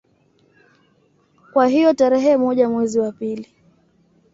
Kwa hiyo tarehe moja mwezi wa pili